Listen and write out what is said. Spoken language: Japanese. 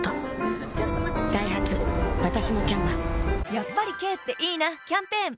やっぱり軽っていいなキャンペーン